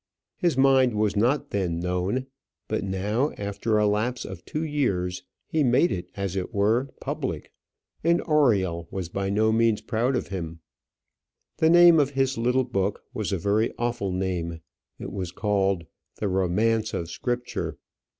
His mind was not then known; but now, after a lapse of two years, he made it as it were public, and Oriel was by no means proud of him. The name of his little book was a very awful name. It was called the "Romance of Scripture."